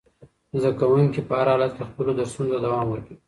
زده کوونکي په هر حالت کې خپلو درسونو ته دوام ورکوي.